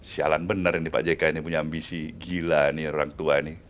sialan benar ini pak jk ini punya ambisi gila nih orang tua ini